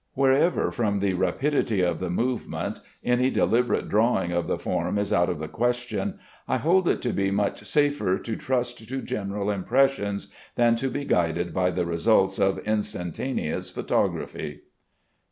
Wherever from the rapidity of the movement any deliberate drawing of the form is out of the question, I hold it to be much safer to trust to general impressions than to be guided by the results of instantaneous photography.